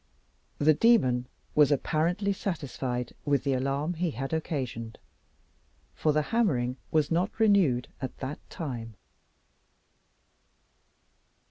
The demon was apparently satisfied with the alarm he had occasioned, for the hammering was not renewed at that time.